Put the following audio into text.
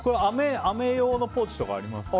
あめ用のポーチとかありますか？